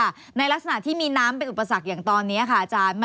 ในลักษณะที่มีน้ำเป็นอุปสรรคอย่างตอนนี้ค่ะอาจารย์